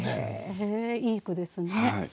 へえいい句ですね。